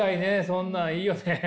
そんなんいいよね。